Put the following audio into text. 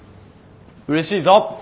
うれしいぞ！